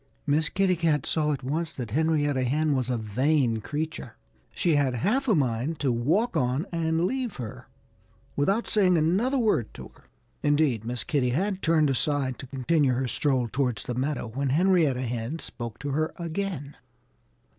Miss Kitty Cat saw at once that Henrietta Hen was a vain creature. She had half a mind to walk on and leave her, without saying another word to her. Indeed, Miss Kitty had turned aside to continue her stroll towards the meadow when Henrietta Hen spoke to her again.